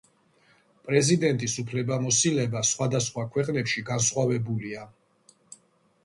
პრეზიდენტის უფლებამოსილება სხვადასხვა ქვეყნებში განსხვავებულია.